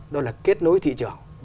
đó là kết nối thị trường